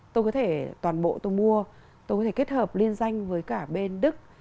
tôi có thể toàn bộ tôi mua tôi có thể kết hợp liên danh với cả bên đức